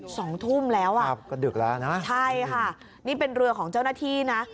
สองทุ่มแล้วอ่ะครับก็ดึกแล้วนะใช่ค่ะนี่เป็นเรือของเจ้าหน้าที่นะ